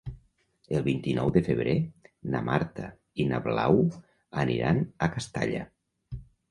El vint-i-nou de febrer na Marta i na Blau aniran a Castalla.